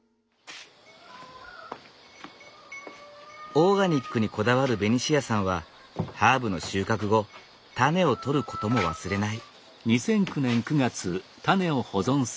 オーガニックにこだわるベニシアさんはハーブの収穫後タネを取ることも忘れない。